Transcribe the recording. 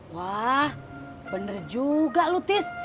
wah bener juga lo tis